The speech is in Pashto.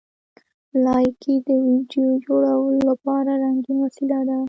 لایکي د ویډیو جوړولو لپاره رنګین وسیله ده.